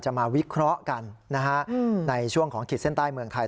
มาวิเคราะห์กันในช่วงของขีดเส้นใต้เมืองไทย